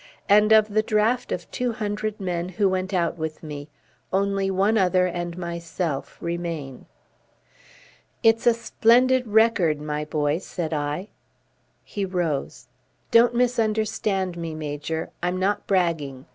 And of the draft of two hundred who went out with me only one other and myself remain." "It's a splendid record, my boy," said I. He rose. "Don't misunderstand me, Major. I'm not bragging.